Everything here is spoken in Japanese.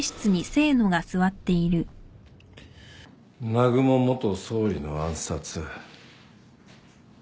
南雲元総理の暗殺。